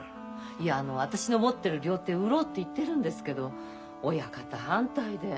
いやあの私の持っている料亭を売ろうって言ってるんですけど親方反対で。